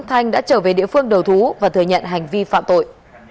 thanh đã trở về địa phương đầu thú và thừa nhận hành vi phạm tội